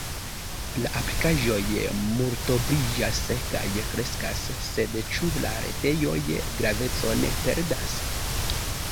La aplikaĵoj multobliĝas kaj kreskas, sed ĉu la retejoj gravecon perdas?